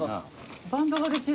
バンドができる。